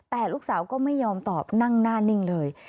แต่ลูกสาวก็ไม่ยอมตอบนั่งหน้านิ่งเลย